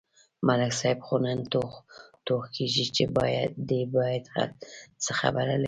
ملک صاحب خو نن ټوغ ټوغ کېږي، چې دی بیا څه خبره لري.